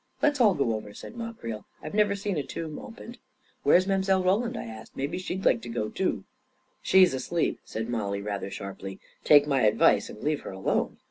" Let's all go over," said Ma Creel. " I've never seen a tomb opened.' 9 "Where's Mile. Roland?" I asked. "Maybe she'd like to go too." "She's asleep," said Mollie, rather sharply. " Take my advice and leave her alone."